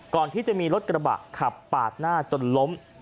ก่อนที่จะมีรถกระบะขับปาดหน้าจนล้ม